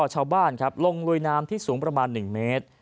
ชาวบ้านครับลงลุยน้ำที่สูงประมาณ๑เมตร